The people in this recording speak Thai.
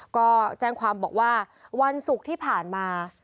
ก็แจ้งความบอกว่าวันศุกร์ที่ผ่านมา